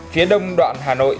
phía đông đoạn hà nội